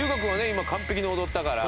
今完璧に踊ったから。